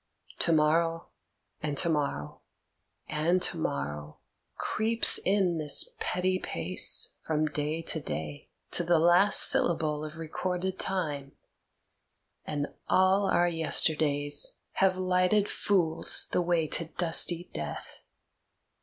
To morrow, and to morrow, and to morrow, creeps in this petty pace from day to day to the last syllable of recorded time, and all our yesterdays have lighted fools the way to dusty death.